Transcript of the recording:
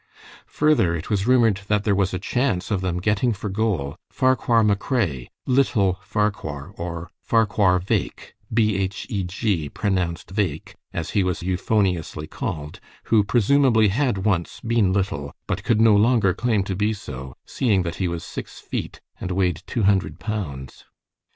Further, it was rumored that there was a chance of them getting for goal Farquhar McRae, "Little Farquhar," or "Farquhar Bheg" (pronounced "vaick"), as he was euphoniously called, who presumably had once been little, but could no longer claim to be so, seeing that he was six feet, and weighed two hundred pounds.